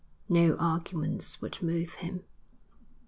No arguments, would move him.